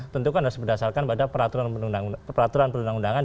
tentukan harus berdasarkan pada peraturan perundang undangan